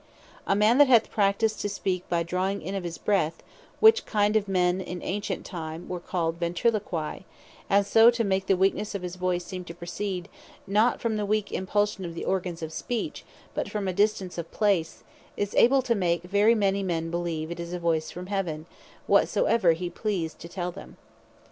A man that hath practised to speak by drawing in of his breath, (which kind of men in antient time were called Ventriloqui,) and so make the weaknesse of his voice seem to proceed, not from the weak impulsion of the organs of Speech, but from distance of place, is able to make very many men beleeve it is a voice from Heaven, whatsoever he please to tell them.